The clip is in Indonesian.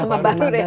nama baru dari hph